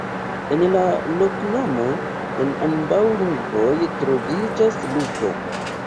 En la loknomo en ambaŭ lingvoj troviĝas Luko.